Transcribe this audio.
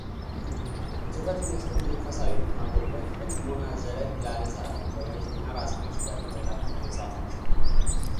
ትኩረትን መስጠት መንፈሳዊነትን ማጎልበት በጥሞና ዘለግ ላለ ሰዓት መቆየት እና ራስን ማሻሻል ነው ይላሉ በመጽሐፋቸው።